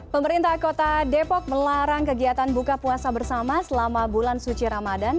pemerintah kota depok melarang kegiatan buka puasa bersama selama bulan suci ramadan